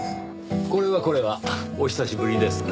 これはこれはお久しぶりですねぇ。